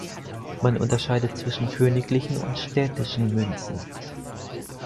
Man unterscheidet zwischen königlichen und städtischen Münzen.